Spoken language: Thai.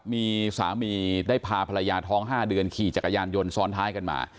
มีสามีได้พาภรรยาท้อง๕เดือนขี่จักรยานยนต์ซ้อนท้ายกันมา